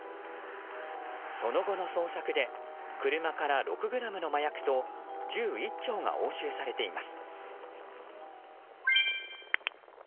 その後の捜索で車から６ｇの麻薬と銃１丁が押収されています。